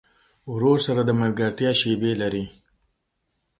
ورور سره د ملګرتیا شیبې لرې.